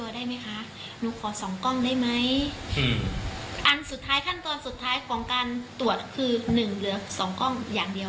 เดี๋ยวลองฟังดูนะครับ